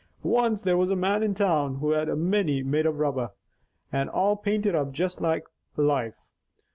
Once there was a man in town who had a minnie made of rubber and all painted up just like life.